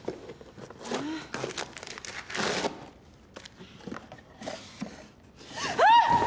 えっ？はっ！